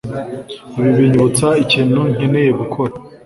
Ibyo binyibutsa ikintu nkeneye gukora.